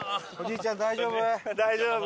大丈夫。